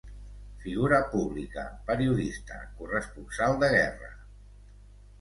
Figura pública, periodista, corresponsal de guerra.